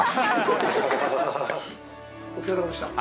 お疲れさまでした。